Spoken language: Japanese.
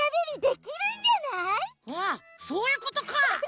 あっそういうことか！